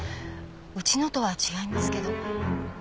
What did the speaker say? うちのとは違いますけど。